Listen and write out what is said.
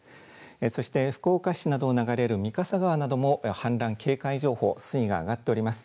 そして福岡市などを流れる御笠川なども氾濫警戒情報水位が上がっております。